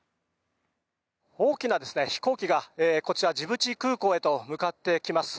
大きな飛行機がこちらジブチ空港へと向かっていきます。